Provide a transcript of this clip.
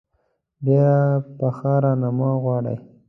ډېره پخه رانه مه غواړئ.